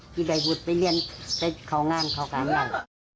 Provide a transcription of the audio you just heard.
กี่ใดหวุดไปเรียนเข้างานเข้าการงาน